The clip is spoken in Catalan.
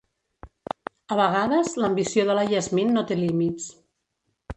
A vegades, l'ambició de la Yasmin no té límits.